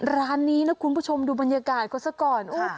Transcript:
ร้านนี้นะคุณผู้ชมดูบรรยากาศเขาซะก่อน